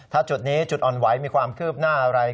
ถ้าจุดนี้จุดอ่อนไหวมีความคืบหน้าอะไร